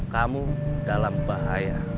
kamu dalam bahaya